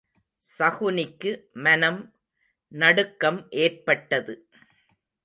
சகுனிக்கு மனம் நடுக்கம் ஏற்பட்டது.